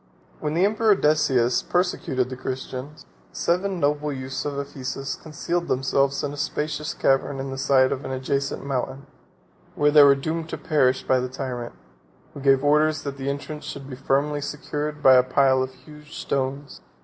44 When the emperor Decius persecuted the Christians, seven noble youths of Ephesus concealed themselves in a spacious cavern in the side of an adjacent mountain; where they were doomed to perish by the tyrant, who gave orders that the entrance should be firmly secured by the a pile of huge stones.